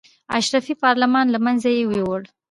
اشرافي پارلمان له منځه یې یووړ.